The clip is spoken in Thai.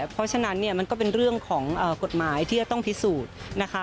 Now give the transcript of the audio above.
เพราะฉะนั้นเนี่ยมันก็เป็นเรื่องของกฎหมายที่จะต้องพิสูจน์นะคะ